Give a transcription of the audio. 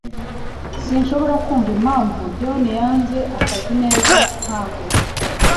Sinshobora kumva impamvu John yanze akazi neza nkako.